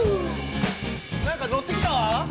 何か乗ってきたわ！